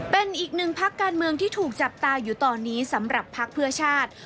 เป็นอีกหนึ่งพักการเมืองที่ถูกจับตาอยู่ตอนนี้สำหรับภักดิ์เพื่อชาติ